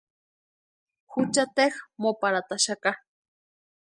Jucha teja móparhataxaka.